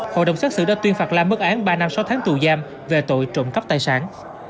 hội đồng xét xử đã tuyên phạt làm mất án ba năm sáu tháng tù giam về tội trộm cắp tài sản